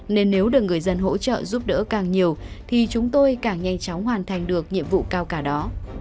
nên nếu được người dân hỗ trợ giúp đỡ càng nhiều thì chúng tôi càng nhanh chóng hoàn thành được nhiệm vụ cao cả đó